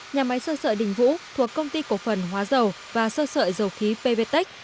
nhà máy sơ sợi đình vũ thuộc công ty cổ phần hóa dầu và sơ sợi dầu khí pvtec